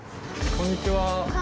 こんにちは。